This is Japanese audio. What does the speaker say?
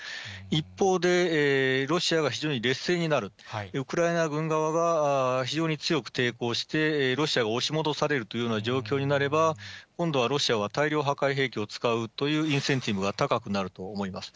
一方で、ロシアが非常に劣勢になる、ウクライナ軍側が非常に強く抵抗して、ロシアが押し戻されるというような状況になれば、今度はロシアは大量破壊兵器を使うというインセンティブが高くなると思います。